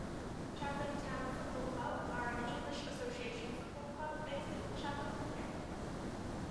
Chatham Town Football Club are an English Association Football club based in Chatham, Kent.